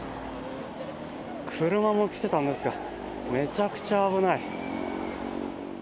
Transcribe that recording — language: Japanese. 車も来てたんですがめちゃくちゃ危ない。